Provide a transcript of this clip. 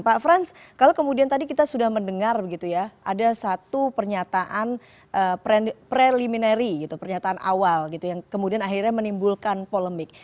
pak franz kalau kemudian tadi kita sudah mendengar ada satu pernyataan preliminary pernyataan awal yang kemudian akhirnya menimbulkan polemik